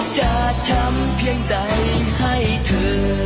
จะทำเพียงใดให้เธอ